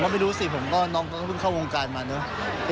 ไม่รู้สิผมก็น้องก็เพิ่งเข้าวงการมาเนอะ